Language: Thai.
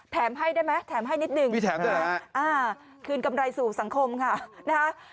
แถมให้ได้ไหมแถมให้นิดหนึ่งนะครับคืนกำไรสู่สังคมค่ะนะครับ